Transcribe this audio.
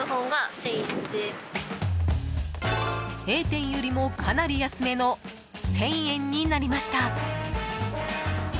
Ａ店よりも、かなり安めの１０００円になりました。